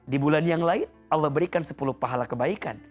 di bulan yang lain allah berikan sepuluh pahala kebaikan